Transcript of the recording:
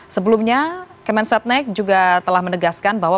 sebelumnya kemen setnek juga telah menegaskan bahwa